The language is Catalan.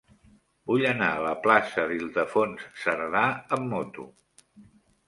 Vull anar a la plaça d'Ildefons Cerdà amb moto.